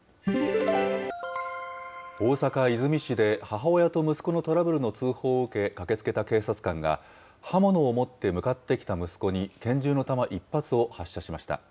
大阪・和泉市で母親と息子のトラブルの通報を受け、駆けつけた警察官が、刃物を持って向かってきた息子に、拳銃の弾１発を発射しました。